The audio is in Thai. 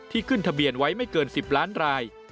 ขึ้นทะเบียนไว้ไม่เกิน๑๐ล้านราย